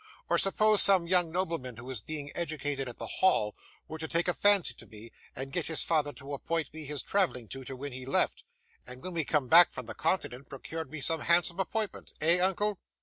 'Or suppose some young nobleman who is being educated at the Hall, were to take a fancy to me, and get his father to appoint me his travelling tutor when he left, and when we come back from the continent, procured me some handsome appointment. Eh! uncle?